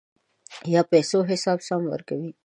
دوکاندار د بدلون یا پیسو حساب سم ورکوي.